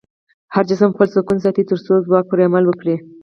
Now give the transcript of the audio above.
هر جسم خپل سکون ساتي تر څو ځواک پرې عمل وکړي.